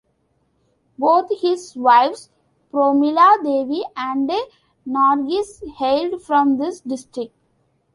Both his wives, Promila Devi and Nargis, hailed from this district.